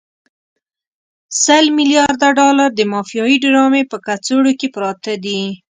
سل ملیارده ډالر د مافیایي ډرامې په کڅوړو کې پراته دي.